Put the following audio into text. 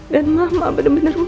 dan mama bener bener usah